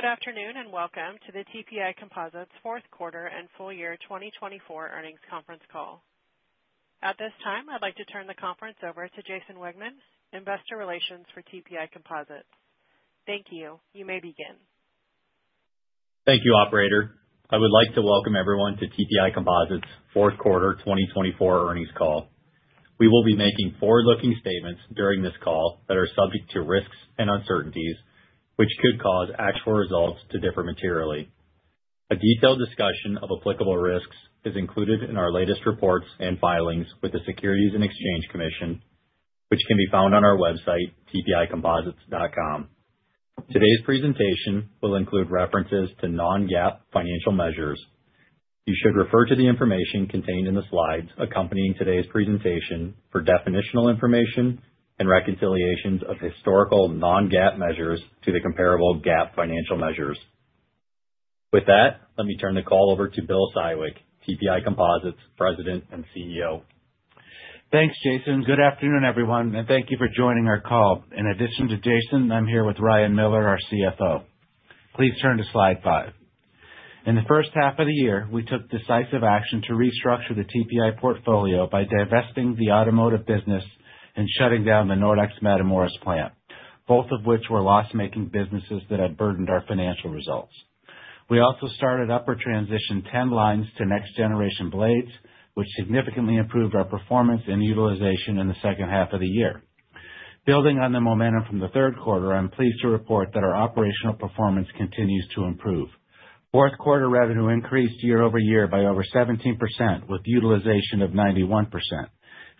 Good afternoon and Welcome to the TPI Composites Fourth Quarter and Full Year 2024 earnings conference call. At this time, I'd like to turn the conference over to Jason Wegmann, Investor Relations for TPI Composites. Thank you. You may begin. Thank you, Operator. I would like to welcome everyone to TPI Composites fourth quarter 2024 earnings call. We will be making forward-looking statements during this call that are subject to risks and uncertainties, which could cause actual results to differ materially. A detailed discussion of applicable risks is included in our latest reports and filings with the Securities and Exchange Commission, which can be found on our website, tpicomposites.com. Today's presentation will include references to non-GAAP financial measures. You should refer to the information contained in the slides accompanying today's presentation for definitional information and reconciliations of historical non-GAAP measures to the comparable GAAP financial measures. With that, let me turn the call over to Bill Siwek, TPI Composites President and CEO. Thanks, Jason. Good afternoon, everyone, and thank you for joining our call. In addition to Jason, I'm here with Ryan Miller, our CFO. Please turn to slide five. In the first half of the year, we took decisive action to restructure the TPI portfolio by divesting the automotive business and shutting down the Nordex Matamoros plant, both of which were loss-making businesses that had burdened our financial results. We also started up or transitioned 10 lines to next-generation blades, which significantly improved our performance and utilization in the second half of the year. Building on the momentum from the third quarter, I'm pleased to report that our operational performance continues to improve. Fourth quarter revenue increased year over year by over 17%, with utilization of 91%.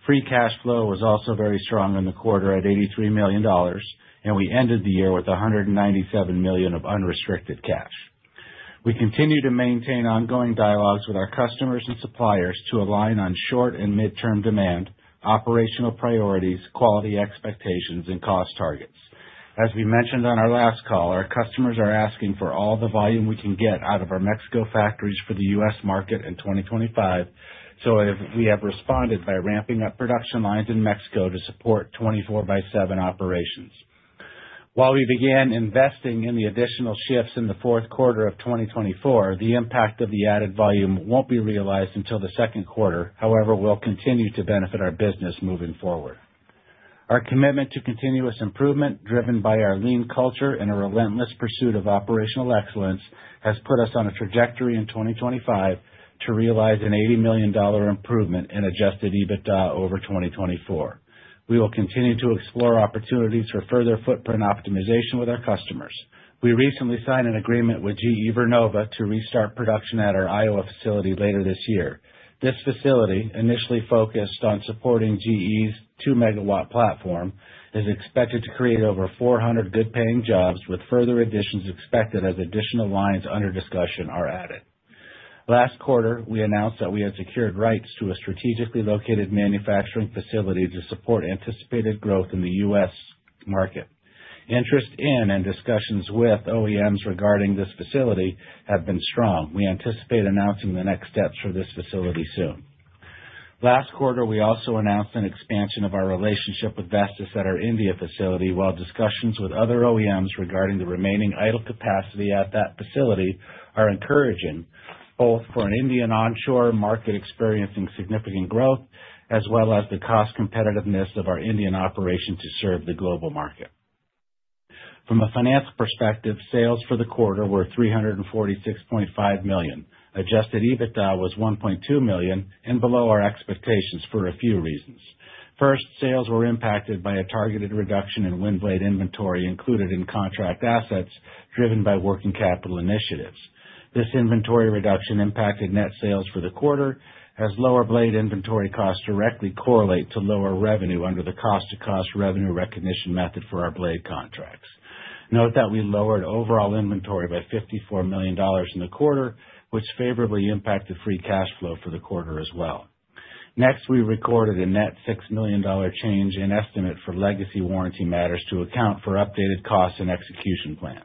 Free cash flow was also very strong in the quarter at $83 million, and we ended the year with $197 million of unrestricted cash. We continue to maintain ongoing dialogues with our customers and suppliers to align on short and mid-term demand, operational priorities, quality expectations, and cost targets. As we mentioned on our last call, our customers are asking for all the volume we can get out of our Mexico factories for the U.S. market in 2025, so we have responded by ramping up production lines in Mexico to support 24/7 operations. While we began investing in the additional shifts in the fourth quarter of 2024, the impact of the added volume will not be realized until the second quarter. However, we will continue to benefit our business moving forward. Our commitment to continuous improvement, driven by our lean culture and a relentless pursuit of operational excellence, has put us on a trajectory in 2025 to realize an $80 million improvement in adjusted EBITDA over 2024. We will continue to explore opportunities for further footprint optimization with our customers. We recently signed an agreement with GE Vernova to restart production at our Iowa facility later this year. This facility, initially focused on supporting GE's 2-megawatt platform, is expected to create over 400 good-paying jobs, with further additions expected as additional lines under discussion are added. Last quarter, we announced that we had secured rights to a strategically located manufacturing facility to support anticipated growth in the U.S. market. Interest in and discussions with OEMs regarding this facility have been strong. We anticipate announcing the next steps for this facility soon. Last quarter, we also announced an expansion of our relationship with Vestas at our India facility, while discussions with other OEMs regarding the remaining idle capacity at that facility are encouraging, both for an Indian onshore market experiencing significant growth, as well as the cost competitiveness of our Indian operation to serve the global market. From a financial perspective, sales for the quarter were $346.5 million. Adjusted EBITDA was $1.2 million and below our expectations for a few reasons. First, sales were impacted by a targeted reduction in wind blade inventory included in contract assets, driven by working capital initiatives. This inventory reduction impacted net sales for the quarter, as lower blade inventory costs directly correlate to lower revenue under the cost-to-cost revenue recognition method for our blade contracts. Note that we lowered overall inventory by $54 million in the quarter, which favorably impacted free cash flow for the quarter as well. Next, we recorded a net $6 million change in estimate for legacy warranty matters to account for updated costs and execution plans.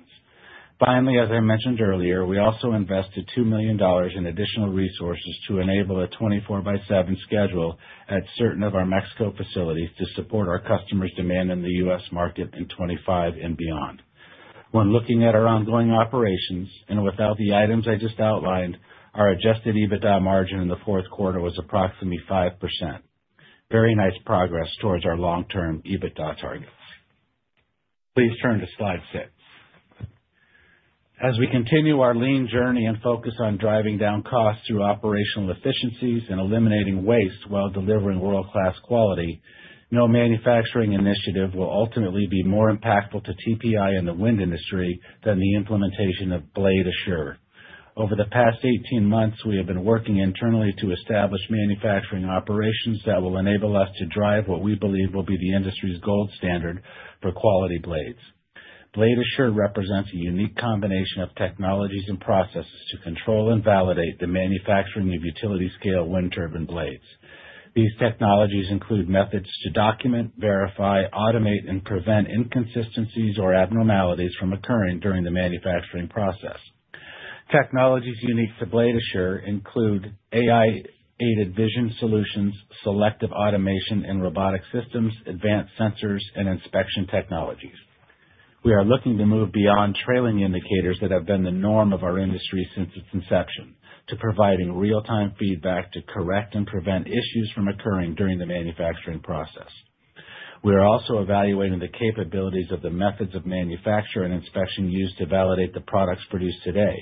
Finally, as I mentioned earlier, we also invested $2 million in additional resources to enable a 24/7 schedule at certain of our Mexico facilities to support our customers' demand in the U.S. market in 2025 and beyond. When looking at our ongoing operations, and without the items I just outlined, our adjusted EBITDA margin in the fourth quarter was approximately 5%. Very nice progress towards our long-term EBITDA targets. Please turn to slide six. As we continue our lean journey and focus on driving down costs through operational efficiencies and eliminating waste while delivering world-class quality, no manufacturing initiative will ultimately be more impactful to TPI in the wind industry than the implementation of Blade Assure. Over the past 18 months, we have been working internally to establish manufacturing operations that will enable us to drive what we believe will be the industry's gold standard for quality blades. Blade Assure represents a unique combination of technologies and processes to control and validate the manufacturing of utility-scale wind turbine blades. These technologies include methods to document, verify, automate, and prevent inconsistencies or abnormalities from occurring during the manufacturing process. Technologies unique to Blade Assure include AI-aided vision solutions, selective automation in robotic systems, advanced sensors, and inspection technologies. We are looking to move beyond trailing indicators that have been the norm of our industry since its inception to providing real-time feedback to correct and prevent issues from occurring during the manufacturing process. We are also evaluating the capabilities of the methods of manufacture and inspection used to validate the products produced today.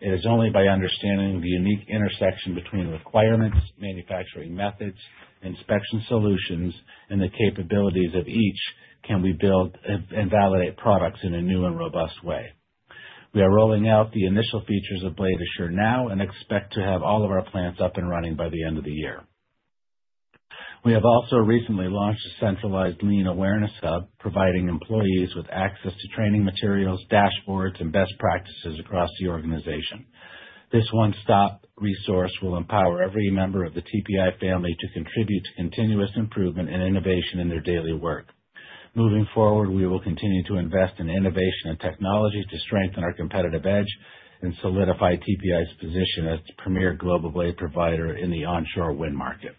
It is only by understanding the unique intersection between requirements, manufacturing methods, inspection solutions, and the capabilities of each can we build and validate products in a new and robust way. We are rolling out the initial features of Blade Assure now and expect to have all of our plants up and running by the end of the year. We have also recently launched a centralized lean awareness hub, providing employees with access to training materials, dashboards, and best practices across the organization. This one-stop resource will empower every member of the TPI family to contribute to continuous improvement and innovation in their daily work. Moving forward, we will continue to invest in innovation and technology to strengthen our competitive edge and solidify TPI's position as the premier global blade provider in the onshore wind market.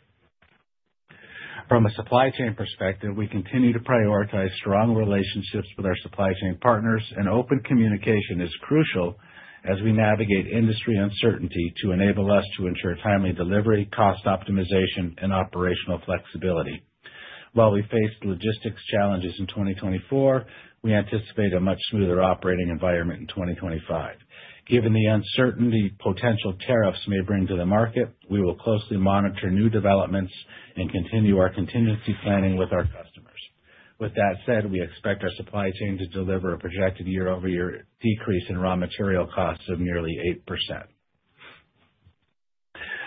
From a supply chain perspective, we continue to prioritize strong relationships with our supply chain partners, and open communication is crucial as we navigate industry uncertainty to enable us to ensure timely delivery, cost optimization, and operational flexibility. While we face logistics challenges in 2024, we anticipate a much smoother operating environment in 2025. Given the uncertainty potential tariffs may bring to the market, we will closely monitor new developments and continue our contingency planning with our customers. With that said, we expect our supply chain to deliver a projected year-over-year decrease in raw material costs of nearly 8%.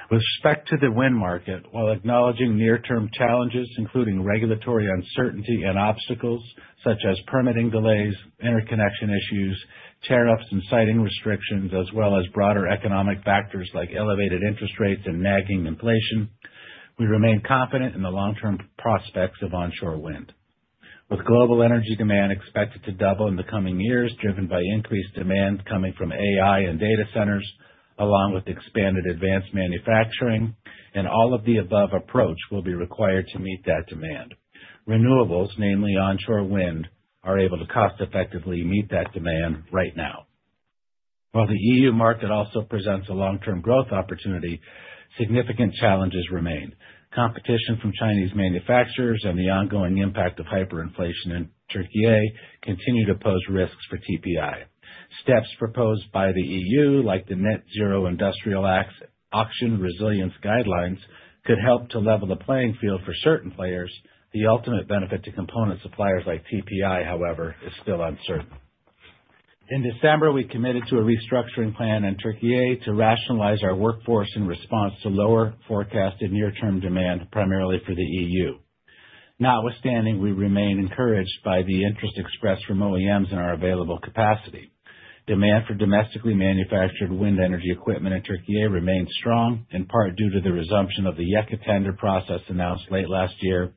With respect to the wind market, while acknowledging near-term challenges, including regulatory uncertainty and obstacles such as permitting delays, interconnection issues, tariffs, and siting restrictions, as well as broader economic factors like elevated interest rates and nagging inflation, we remain confident in the long-term prospects of onshore wind. With global energy demand expected to double in the coming years, driven by increased demand coming from AI and data centers, along with expanded advanced manufacturing, an all of the above approach will be required to meet that demand. Renewables, namely onshore wind, are able to cost-effectively meet that demand right now. While the EU market also presents a long-term growth opportunity, significant challenges remain. Competition from Chinese manufacturers and the ongoing impact of hyperinflation in Türkiye continue to pose risks for TPI. Steps proposed by the EU, like the Net Zero Industrial Auction Resilience Guidelines, could help to level the playing field for certain players. The ultimate benefit to component suppliers like TPI, however, is still uncertain. In December, we committed to a restructuring plan in Türkiye to rationalize our workforce in response to lower forecasted near-term demand, primarily for the EU. Notwithstanding, we remain encouraged by the interest expressed from OEMs in our available capacity. Demand for domestically manufactured wind energy equipment in Türkiye remains strong, in part due to the resumption of the YEKA tender process announced late last year,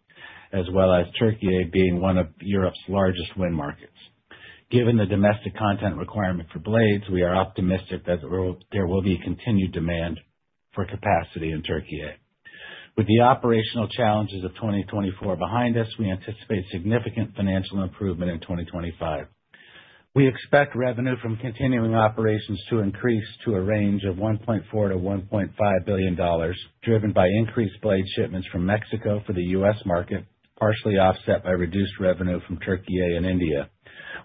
as well as Türkiye being one of Europe's largest wind markets. Given the domestic content requirement for blades, we are optimistic that there will be continued demand for capacity in Türkiye. With the operational challenges of 2024 behind us, we anticipate significant financial improvement in 2025. We expect revenue from continuing operations to increase to a range of $1.4 billion-$1.5 billion, driven by increased blade shipments from Mexico for the U.S. market, partially offset by reduced revenue from Türkiye and India,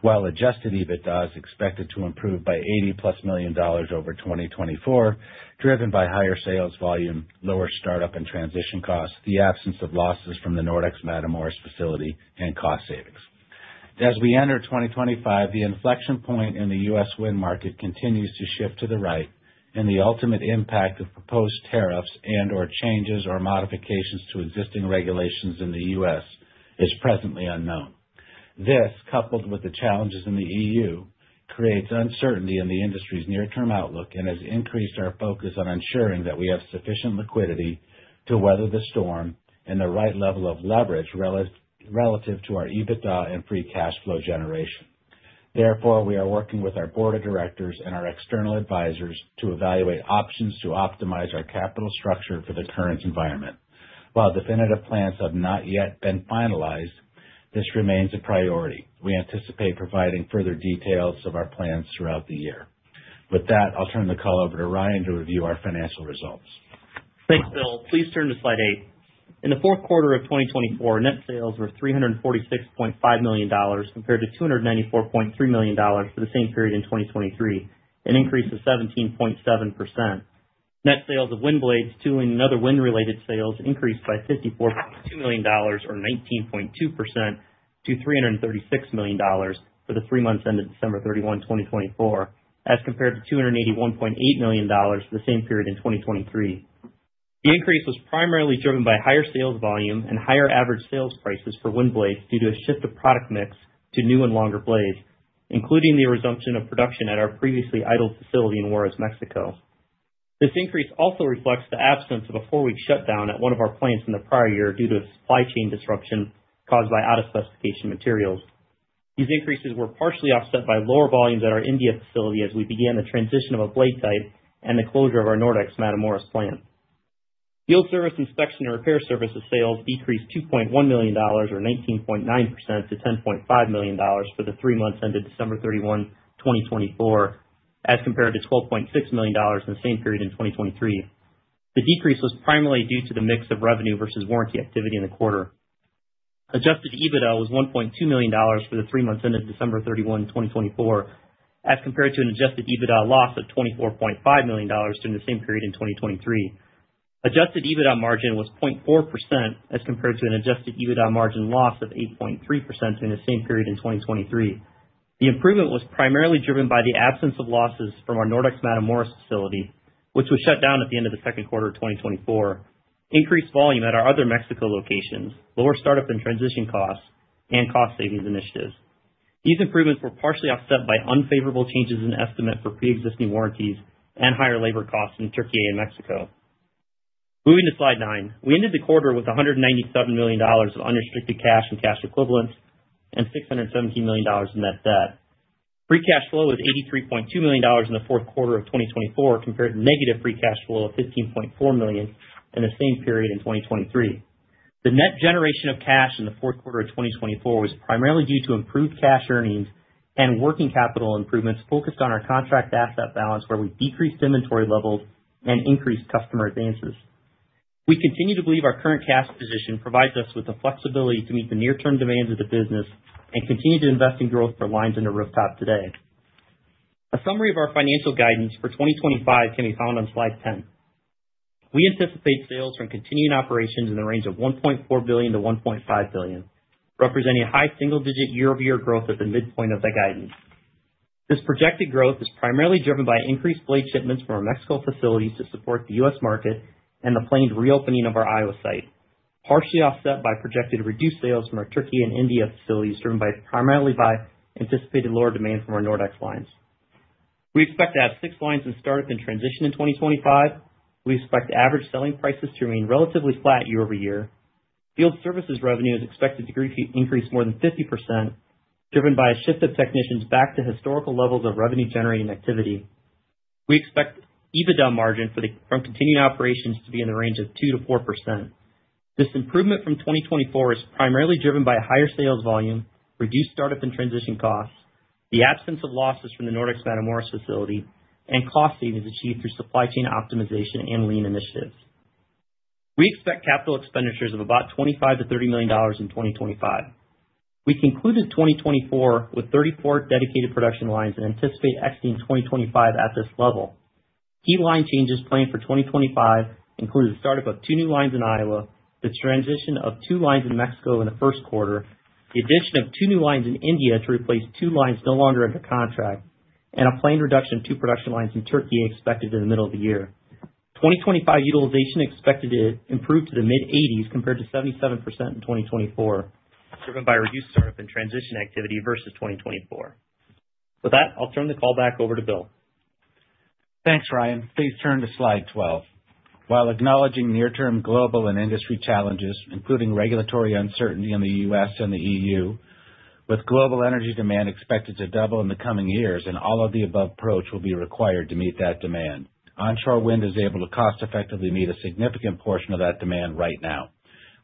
while adjusted EBITDA is expected to improve by $80 million plus over 2024, driven by higher sales volume, lower startup and transition costs, the absence of losses from the Nordex Matamoros facility, and cost savings. As we enter 2025, the inflection point in the U.S. wind market continues to shift to the right, and the ultimate impact of proposed tariffs and/or changes or modifications to existing regulations in the U.S. is presently unknown. This, coupled with the challenges in the EU, creates uncertainty in the industry's near-term outlook and has increased our focus on ensuring that we have sufficient liquidity to weather the storm and the right level of leverage relative to our EBITDA and free cash flow generation. Therefore, we are working with our board of directors and our external advisors to evaluate options to optimize our capital structure for the current environment. While definitive plans have not yet been finalized, this remains a priority. We anticipate providing further details of our plans throughout the year. With that, I'll turn the call over to Ryan to review our financial results. Thanks, Bill. Please turn to slide eight. In the fourth quarter of 2024, net sales were $346.5 million compared to $294.3 million for the same period in 2023, an increase of 17.7%. Net sales of wind blades, too, and other wind-related sales increased by $54.2 million or 19.2% to $336 million for the three months ended December 31, 2024, as compared to $281.8 million for the same period in 2023. The increase was primarily driven by higher sales volume and higher average sales prices for wind blades due to a shift of product mix to new and longer blades, including the resumption of production at our previously idle facility in Juarez, Mexico. This increase also reflects the absence of a four-week shutdown at one of our plants in the prior year due to a supply chain disruption caused by out-of-specification materials. These increases were partially offset by lower volumes at our India facility as we began the transition of a blade type and the closure of our Nordex Matamoros plant. Field service inspection and repair services sales decreased $2.1 million or 19.9% to $10.5 million for the three months ended December 31, 2024, as compared to $12.6 million in the same period in 2023. The decrease was primarily due to the mix of revenue versus warranty activity in the quarter. Adjusted EBITDA was $1.2 million for the three months ended December 31, 2024, as compared to an adjusted EBITDA loss of $24.5 million during the same period in 2023. Adjusted EBITDA margin was 0.4% as compared to an adjusted EBITDA margin loss of 8.3% during the same period in 2023. The improvement was primarily driven by the absence of losses from our Nordex Matamoros facility, which was shut down at the end of the second quarter of 2024, increased volume at our other Mexico locations, lower startup and transition costs, and cost savings initiatives. These improvements were partially offset by unfavorable changes in estimate for pre-existing warranties and higher labor costs in Türkiye and Mexico. Moving to slide nine, we ended the quarter with $197 million of unrestricted cash and cash equivalents and $617 million of net debt. Free cash flow was $83.2 million in the fourth quarter of 2024 compared to negative free cash flow of $15.4 million in the same period in 2023. The net generation of cash in the fourth quarter of 2024 was primarily due to improved cash earnings and working capital improvements focused on our contract asset balance, where we decreased inventory levels and increased customer advances. We continue to believe our current cash position provides us with the flexibility to meet the near-term demands of the business and continue to invest in growth for lines in the rooftop today. A summary of our financial guidance for 2025 can be found on slide 10. We anticipate sales from continuing operations in the range of $1.4 billion-$1.5 billion, representing a high single-digit year-over-year growth at the midpoint of the guidance. This projected growth is primarily driven by increased blade shipments from our Mexico facilities to support the U.S. market and the planned reopening of our Iowa site, partially offset by projected reduced sales from our Türkiye and India facilities, driven primarily by anticipated lower demand from our Nordex lines. We expect to have six lines in startup and transition in 2025. We expect average selling prices to remain relatively flat year-over-year. Field services revenue is expected to increase more than 50%, driven by a shift of technicians back to historical levels of revenue-generating activity. We expect EBITDA margin from continuing operations to be in the range of 2%-4%. This improvement from 2024 is primarily driven by higher sales volume, reduced startup and transition costs, the absence of losses from the Nordex Matamoros facility, and cost savings achieved through supply chain optimization and lean initiatives. We expect capital expenditures of about $25-$30 million in 2025. We concluded 2024 with 34 dedicated production lines and anticipate exiting 2025 at this level. Key line changes planned for 2025 include the startup of two new lines in Iowa, the transition of two lines in Mexico in the first quarter, the addition of two new lines in India to replace two lines no longer under contract, and a planned reduction of two production lines in Türkiye expected in the middle of the year. 2025 utilization expected to improve to the mid-80s compared to 77% in 2024, driven by reduced startup and transition activity versus 2024. With that, I'll turn the call back over to Bill. Thanks, Ryan. Please turn to slide 12. While acknowledging near-term global and industry challenges, including regulatory uncertainty in the U.S. and the EU, with global energy demand expected to double in the coming years, and all of the above approach will be required to meet that demand, onshore wind is able to cost-effectively meet a significant portion of that demand right now.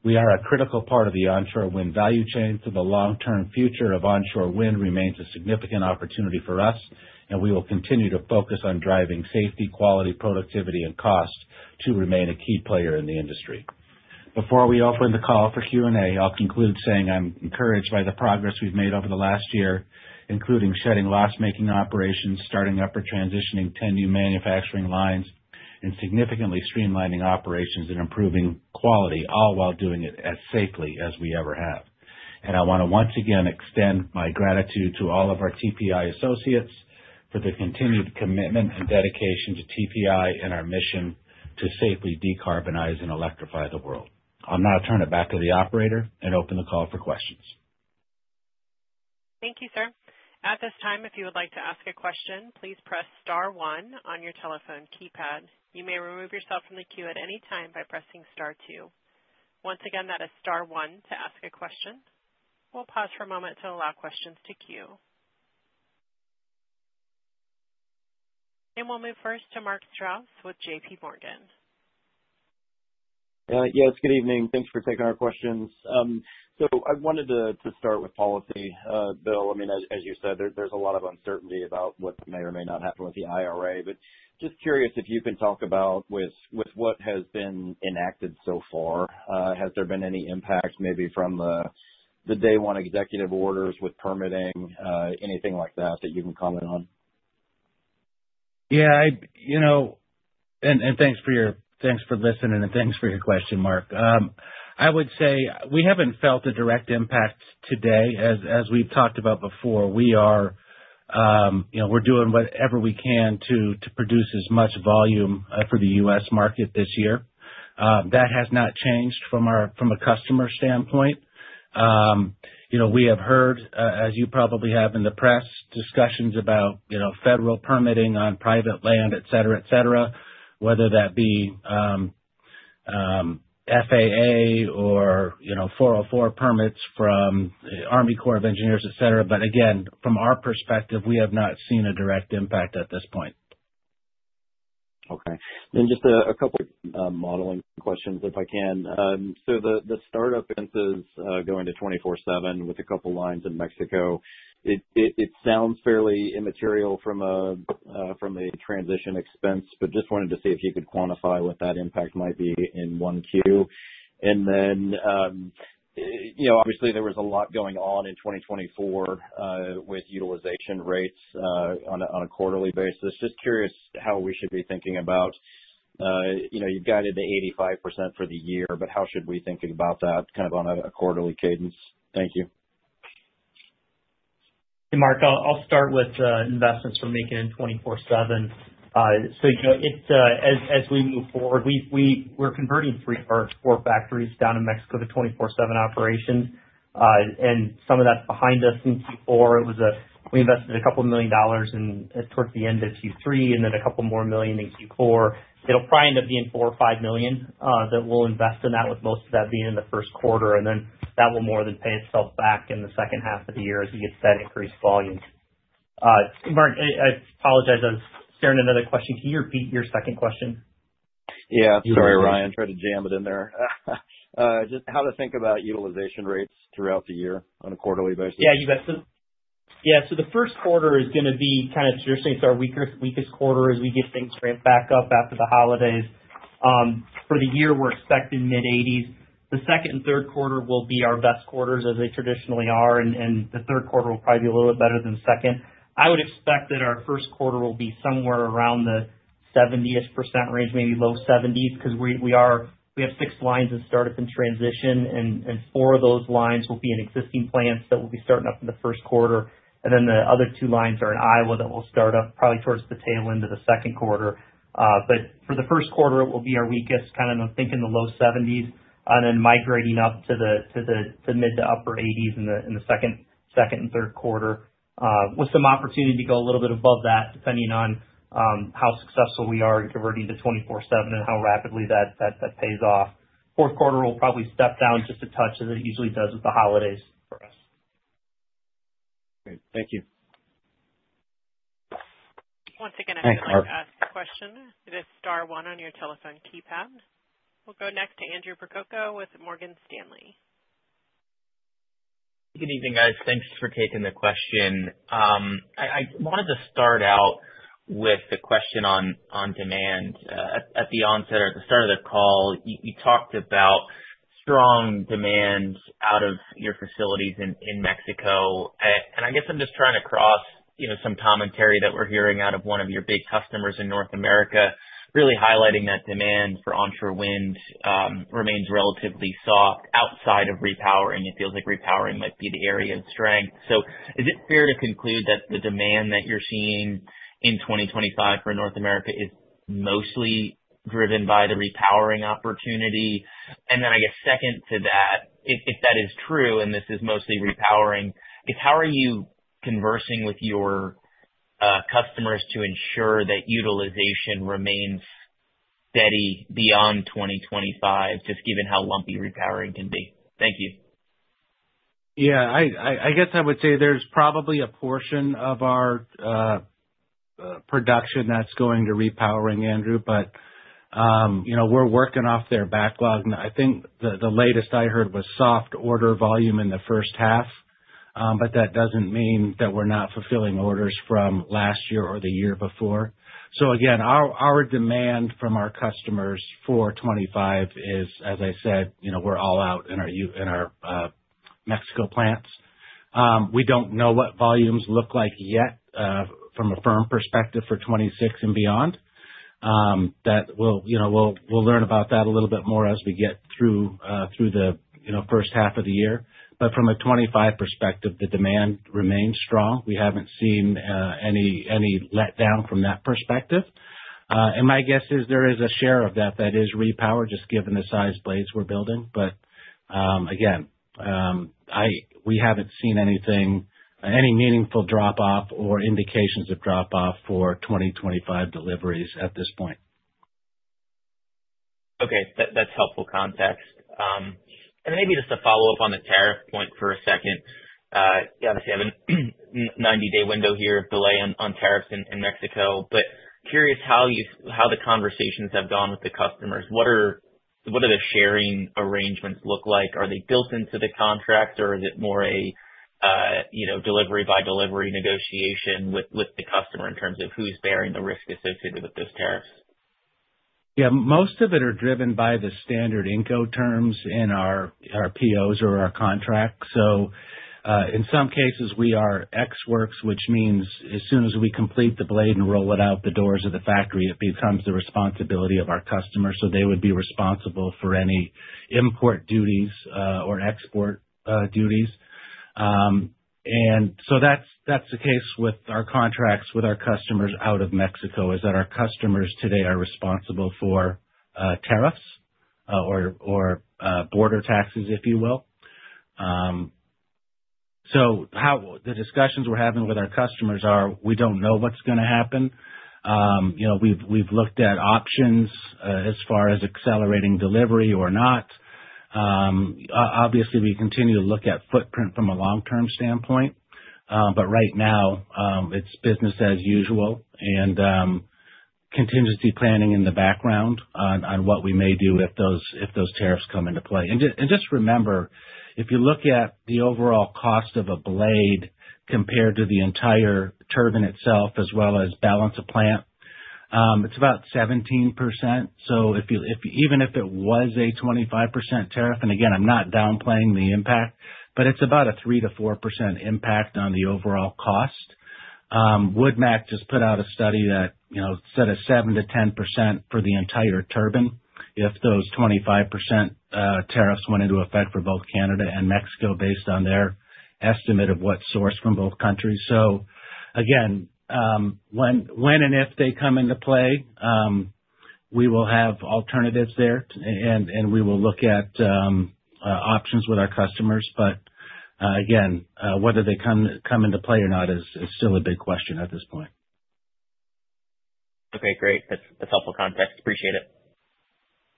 We are a critical part of the onshore wind value chain, so the long-term future of onshore wind remains a significant opportunity for us, and we will continue to focus on driving safety, quality, productivity, and cost to remain a key player in the industry. Before we open the call for Q&A, I'll conclude saying I'm encouraged by the progress we've made over the last year, including shedding loss-making operations, starting up or transitioning 10 new manufacturing lines, and significantly streamlining operations and improving quality, all while doing it as safely as we ever have. I want to once again extend my gratitude to all of our TPI associates for the continued commitment and dedication to TPI and our mission to safely decarbonize and electrify the world. I'll now turn it back to the operator and open the call for questions. Thank you, sir. At this time, if you would like to ask a question, please press Star one on your telephone keypad. You may remove yourself from the queue at any time by pressing Star two. Once again, that is Star one to ask a question. We'll pause for a moment to allow questions to queue. We'll move first to Mark Strouse with JPMorgan. Yes, good evening. Thanks for taking our questions. I wanted to start with policy. Bill, I mean, as you said, there's a lot of uncertainty about what may or may not happen with the IRA, but just curious if you can talk about with what has been enacted so far, has there been any impact maybe from the day-one executive orders with permitting, anything like that that you can comment on? Yeah, thanks for listening and thanks for your question, Mark. I would say we haven't felt a direct impact today. As we've talked about before, we're doing whatever we can to produce as much volume for the U.S. market this year. That has not changed from a customer standpoint. We have heard, as you probably have in the press, discussions about federal permitting on private land, etc., whether that be FAA or 404 permits from the Army Corps of Engineers, etc. Again, from our perspective, we have not seen a direct impact at this point. Okay. Just a couple of modeling questions, if I can. The startup going to 24/7 with a couple of lines in Mexico, it sounds fairly immaterial from a transition expense, but just wanted to see if you could quantify what that impact might be in Q1. Obviously, there was a lot going on in 2024 with utilization rates on a quarterly basis. Just curious how we should be thinking about, you've guided to 85% for the year, but how should we think about that kind of on a quarterly cadence? Thank you. Hey, Mark, I'll start with investments we're making in 24/7. As we move forward, we're converting three of our four factories down in Mexico to 24/7 operations. Some of that's behind us in Q4. We invested a couple of million dollars towards the end of Q3 and then a couple more million in Q4. It'll probably end up being $4 million-$5 million that we'll invest in that, with most of that being in the first quarter. That will more than pay itself back in the second half of the year as we get that increased volume. Mark, I apologize. I was staring at another question. Can you repeat your second question? Yeah. Sorry, Ryan. Tried to jam it in there. Just how to think about utilization rates throughout the year on a quarterly basis? Yeah. Yeah. The first quarter is going to be kind of traditionally our weakest quarter as we get things ramped back up after the holidays. For the year, we're expecting mid-80s. The second and third quarter will be our best quarters as they traditionally are, and the third quarter will probably be a little bit better than the second. I would expect that our first quarter will be somewhere around the 70% range, maybe low 70s, because we have six lines that start up in transition, and four of those lines will be in existing plants that will be starting up in the first quarter. The other two lines are in Iowa that will start up probably towards the tail end of the second quarter. For the first quarter, it will be our weakest, kind of think in the low 70s, and then migrating up to the mid to upper 80s in the second and third quarter, with some opportunity to go a little bit above that, depending on how successful we are in converting to 24/7 and how rapidly that pays off. Fourth quarter will probably step down just a touch as it usually does with the holidays for us. Great. Thank you. Once again, I have a question. Is it Star one on your telephone keypad? We'll go next to Andrew Percoco with Morgan Stanley. Good evening, guys. Thanks for taking the question. I wanted to start out with the question on demand. At the onset or at the start of the call, you talked about strong demand out of your facilities in Mexico. I guess I'm just trying to cross some commentary that we're hearing out of one of your big customers in North America, really highlighting that demand for onshore wind remains relatively soft outside of repowering. It feels like repowering might be the area of strength. Is it fair to conclude that the demand that you're seeing in 2025 for North America is mostly driven by the repowering opportunity? I guess second to that, if that is true, and this is mostly repowering, how are you conversing with your customers to ensure that utilization remains steady beyond 2025, just given how lumpy repowering can be? Thank you. Yeah. I guess I would say there's probably a portion of our production that's going to repowering, Andrew, but we're working off their backlog. I think the latest I heard was soft order volume in the first half, but that doesn't mean that we're not fulfilling orders from last year or the year before. Again, our demand from our customers for 2025 is, as I said, we're all out in our Mexico plants. We don't know what volumes look like yet from a firm perspective for 2026 and beyond. We'll learn about that a little bit more as we get through the first half of the year. From a 2025 perspective, the demand remains strong. We haven't seen any letdown from that perspective. My guess is there is a share of that that is repowered, just given the size blades we're building. Again, we haven't seen any meaningful drop-off or indications of drop-off for 2025 deliveries at this point. Okay. That's helpful context. Maybe just to follow up on the tariff point for a second. Obviously, I have a 90-day window here of delay on tariffs in Mexico, but curious how the conversations have gone with the customers. What do the sharing arrangements look like? Are they built into the contract, or is it more a delivery-by-delivery negotiation with the customer in terms of who's bearing the risk associated with those tariffs? Yeah. Most of it is driven by the standard Incoterms in our POs or our contracts. In some cases, we are EXW, which means as soon as we complete the blade and roll it out the doors of the factory, it becomes the responsibility of our customers. They would be responsible for any import duties or export duties. That is the case with our contracts with our customers out of Mexico, is that our customers today are responsible for tariffs or border taxes, if you will. The discussions we are having with our customers are, we do not know what is going to happen. We have looked at options as far as accelerating delivery or not. Obviously, we continue to look at footprint from a long-term standpoint, but right now, it's business as usual and contingency planning in the background on what we may do if those tariffs come into play. Just remember, if you look at the overall cost of a blade compared to the entire turbine itself, as well as balance of plant, it's about 17%. Even if it was a 25% tariff, and again, I'm not downplaying the impact, but it's about a 3%-4% impact on the overall cost. WoodMac just put out a study that said a 7%-10% for the entire turbine if those 25% tariffs went into effect for both Canada and Mexico based on their estimate of what's sourced from both countries. When and if they come into play, we will have alternatives there, and we will look at options with our customers. Whether they come into play or not is still a big question at this point. Okay. Great. That's helpful context. Appreciate it.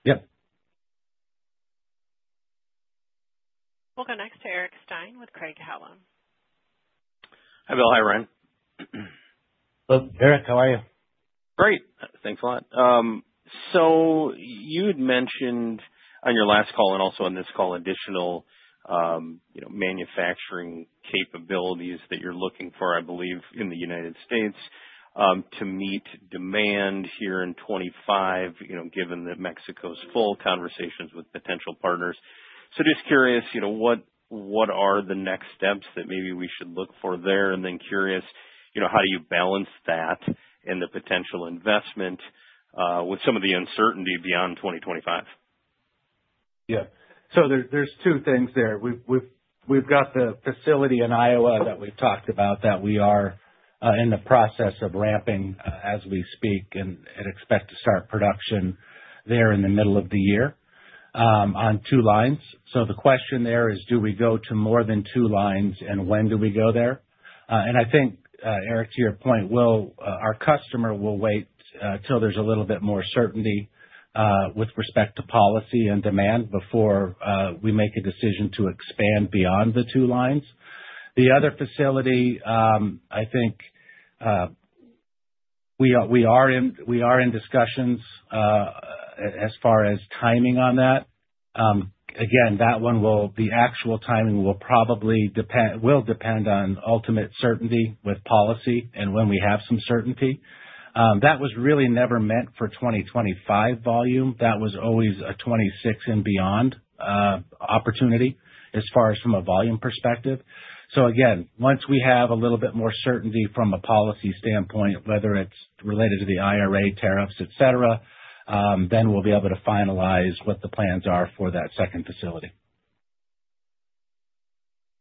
Yep. We'll go next to Eric Stine with Craig-Hallum. Hi Bill. Hi, Ryan. Hello, Eric. How are you? Great. Thanks a lot. You had mentioned on your last call and also on this call, additional manufacturing capabilities that you're looking for, I believe, in the United States to meet demand here in 2025, given that Mexico's full, conversations with potential partners. Just curious, what are the next steps that maybe we should look for there? Curious, how do you balance that and the potential investment with some of the uncertainty beyond 2025? Yeah. There are two things there. We've got the facility in Iowa that we've talked about that we are in the process of ramping as we speak and expect to start production there in the middle of the year on two lines. The question there is, do we go to more than two lines, and when do we go there? I think, Eric, to your point, our customer will wait until there's a little bit more certainty with respect to policy and demand before we make a decision to expand beyond the two lines. The other facility, I think we are in discussions as far as timing on that. Again, the actual timing will probably depend on ultimate certainty with policy and when we have some certainty. That was really never meant for 2025 volume. That was always a '26 and beyond opportunity as far as from a volume perspective. Once we have a little bit more certainty from a policy standpoint, whether it's related to the IRA tariffs, etc., then we'll be able to finalize what the plans are for that second facility.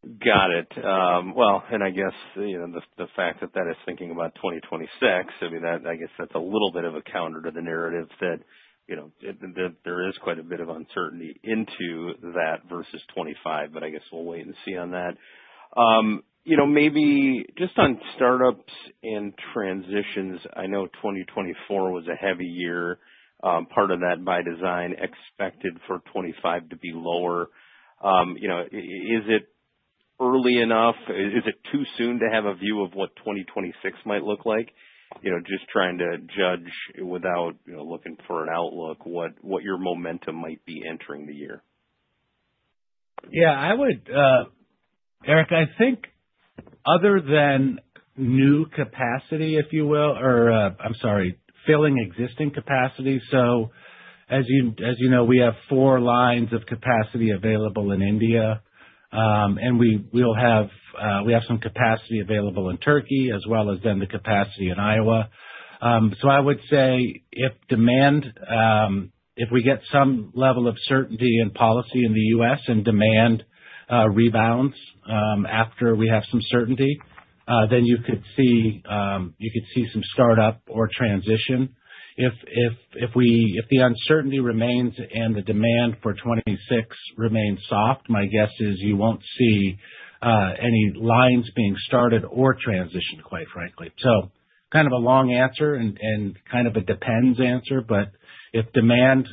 Got it. I guess the fact that that is thinking about 2026, I mean, I guess that's a little bit of a counter to the narrative that there is quite a bit of uncertainty into that versus 2025, but I guess we'll wait and see on that. Maybe just on startups and transitions, I know 2024 was a heavy year. Part of that by design expected for 2025 to be lower. Is it early enough? Is it too soon to have a view of what 2026 might look like? Just trying to judge without looking for an outlook what your momentum might be entering the year. Yeah. Eric, I think other than new capacity, if you will, or I'm sorry, filling existing capacity. As you know, we have four lines of capacity available in India, and we have some capacity available in Turkey, as well as the capacity in Iowa. I would say if demand, if we get some level of certainty in policy in the U.S. and demand rebounds after we have some certainty, you could see some startup or transition. If the uncertainty remains and the demand for 2026 remains soft, my guess is you will not see any lines being started or transitioned, quite frankly. Kind of a long answer and kind of a depends answer, but if demand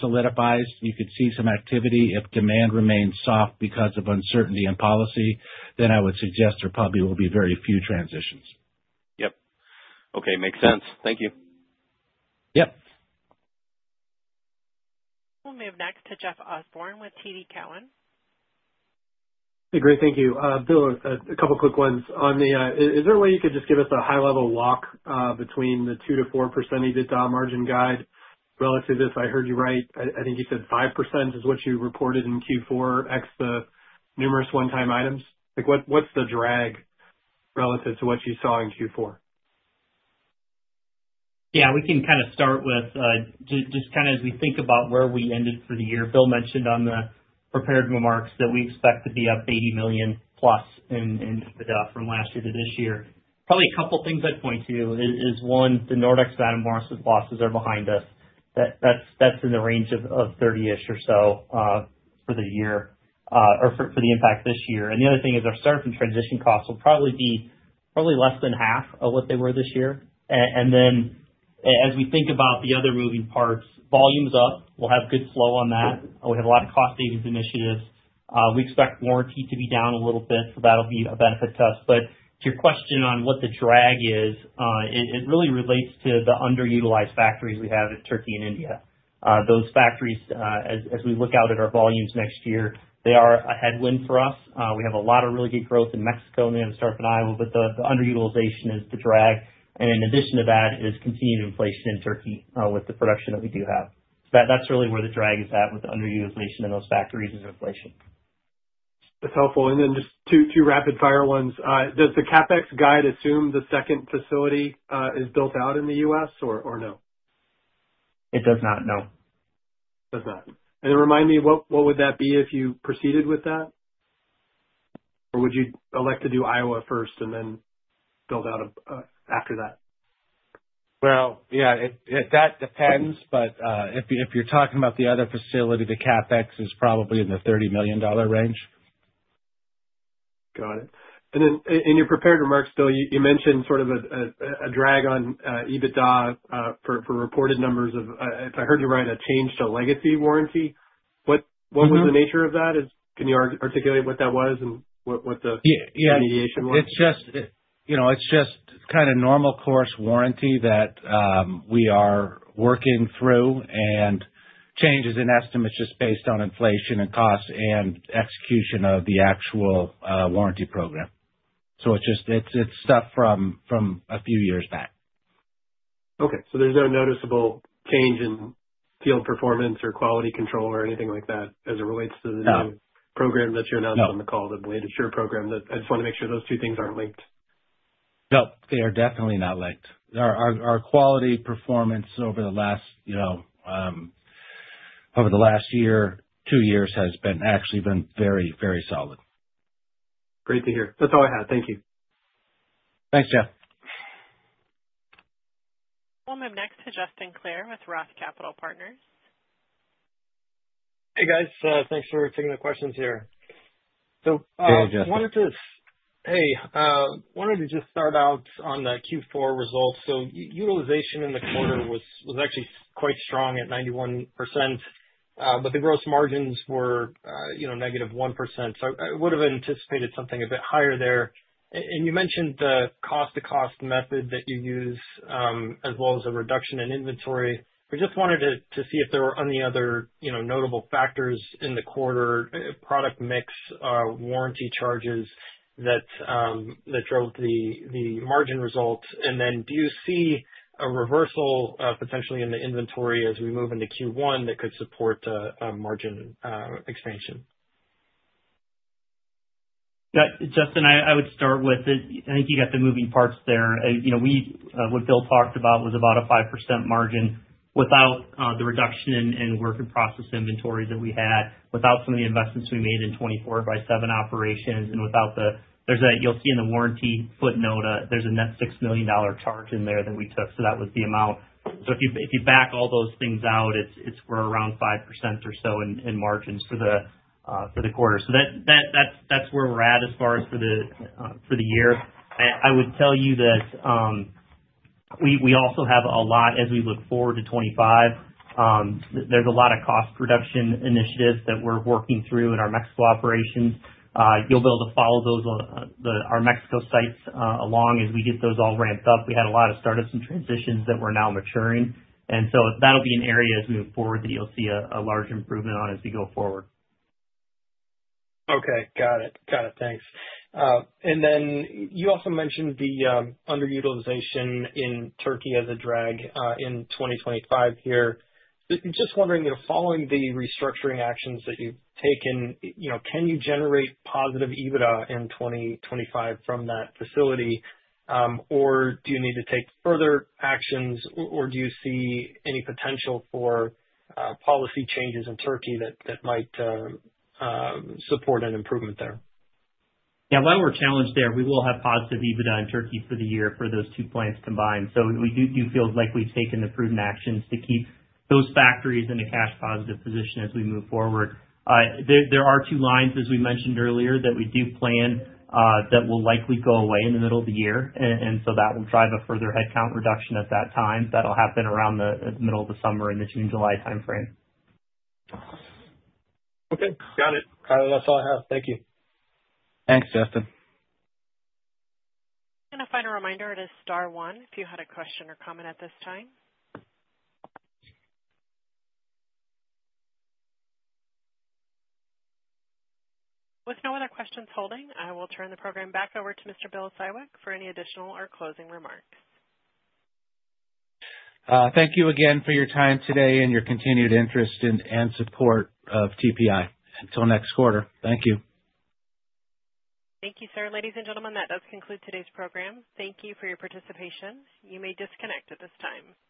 solidifies, you could see some activity. If demand remains soft because of uncertainty in policy, I would suggest there probably will be very few transitions. Yep. Okay. Makes sense. Thank you. Yep. We'll move next to Jeff Osborne with TD Cowen. Hey, great. Thank you. Bill, a couple of quick ones. Is there a way you could just give us a high-level walk between the 2%-4% EBITDA margin guide relative to if I heard you right? I think you said 5% is what you reported in Q4, ex the numerous one-time items. What's the drag relative to what you saw in Q4? Yeah. We can kind of start with just kind of as we think about where we ended for the year. Bill mentioned on the prepared remarks that we expect to be up $80 million-plus in EBITDA from last year to this year. Probably a couple of things I'd point to is, one, the Nordex Matamoros losses are behind us. That's in the range of $30 million-ish or so for the year or for the impact this year. The other thing is our startup and transition costs will probably be less than half of what they were this year. As we think about the other moving parts, volume's up. We'll have good flow on that. We have a lot of cost-savings initiatives. We expect warranty to be down a little bit, so that'll be a benefit to us. To your question on what the drag is, it really relates to the underutilized factories we have in Türkiye and India. Those factories, as we look out at our volumes next year, they are a headwind for us. We have a lot of really good growth in Mexico and we have a startup in Iowa, but the underutilization is the drag. In addition to that, it is continued inflation in Türkiye with the production that we do have. That is really where the drag is at with the underutilization in those factories, is inflation. That's helpful. Then just two rapid-fire ones. Does the CapEx guide assume the second facility is built out in the U.S. or no? It does not. No. Does not. Then remind me, what would that be if you proceeded with that? Or would you elect to do Iowa first and then build out after that? Yeah, that depends. If you're talking about the other facility, the CapEx is probably in the $30 million range. Got it. In your prepared remarks, Bill, you mentioned sort of a drag on EBITDA for reported numbers of, if I heard you right, a change to legacy warranty. What was the nature of that? Can you articulate what that was and what the remediation was? Yeah. It's just kind of normal-course warranty that we are working through and changes in estimates just based on inflation and cost and execution of the actual warranty program. It's stuff from a few years back. Okay. There is no noticeable change in field performance or quality control or anything like that as it relates to the new program that you announced on the call, the Blade Assure program. I just want to make sure those two things are not linked. No, they are definitely not linked. Our quality performance over the last year, two years, has actually been very, very solid. Great to hear. That's all I had. Thank you. Thanks, Jeff. We'll move next to Justin Clare with ROTH Capital Partners. Hey, guys. Thanks for taking the questions here. Hey, Justin. Hey. I wanted to just start out on the Q4 results. Utilization in the quarter was actually quite strong at 91%, but the gross margins were negative 1%. I would have anticipated something a bit higher there. You mentioned the cost-to-cost method that you use as well as a reduction in inventory. I just wanted to see if there were any other notable factors in the quarter: product mix, warranty charges that drove the margin results. Do you see a reversal potentially in the inventory as we move into Q1 that could support margin expansion? Justin, I would start with it. I think you got the moving parts there. What Bill talked about was about a 5% margin without the reduction in work-in-process inventory that we had, without some of the investments we made in 24 by seven operations, and without the—you'll see in the warranty footnote, there's a net $6 million charge in there that we took. So that was the amount. If you back all those things out, we're around 5% or so in margins for the quarter. That's where we're at as far as for the year. I would tell you that we also have a lot as we look forward to 2025. There's a lot of cost reduction initiatives that we're working through in our Mexico operations. You'll be able to follow those, our Mexico sites, along as we get those all ramped up. We had a lot of startups and transitions that were now maturing. That will be an area as we move forward that you'll see a large improvement on as we go forward. Okay. Got it. Got it. Thanks. You also mentioned the underutilization in Türkiye as a drag in 2025 here. Just wondering, following the restructuring actions that you've taken, can you generate positive EBITDA in 2025 from that facility, or do you need to take further actions, or do you see any potential for policy changes in Türkiye that might support an improvement there? Yeah. While we're challenged there, we will have positive EBITDA in Türkiye for the year for those two plants combined. We do feel like we've taken the prudent actions to keep those factories in a cash-positive position as we move forward. There are two lines, as we mentioned earlier, that we do plan that will likely go away in the middle of the year. That will drive a further headcount reduction at that time. That'll happen around the middle of the summer in the June-July timeframe. Okay. Got it. That's all I have. Thank you. Thanks, Justin. I'm going to find a reminder to star one if you had a question or comment at this time. With no other questions holding, I will turn the program back over to Mr. Bill Siwek for any additional or closing remarks. Thank you again for your time today and your continued interest and support of TPI. Until next quarter, thank you. Thank you, sir. Ladies and gentlemen, that does conclude today's program. Thank you for your participation. You may disconnect at this time.